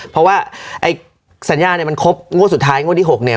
เพราะว่าไอ้สัญญาเนี่ยมันครบงวดสุดท้ายงวดที่๖เนี่ย